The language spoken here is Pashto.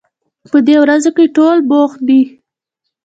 په دې ورځو کې ټول بوخت دي